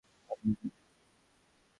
আপনি এখানে হঠাৎ?